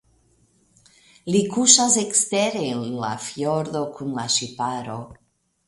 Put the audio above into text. Li kuŝas ekstere en la fjordo kun la ŝiparo.